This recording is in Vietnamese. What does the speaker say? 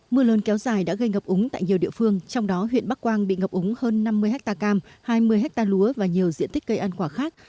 mưa lớn kéo dài đã gây ngập úng tại nhiều địa phương trong đó huyện bắc quang bị ngập úng hơn năm mươi hectare cam hai mươi hectare lúa và nhiều diện tích cây ăn quả khác